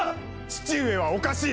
父上はおかしい。